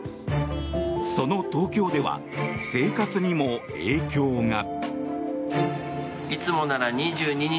その東京では生活にも影響が。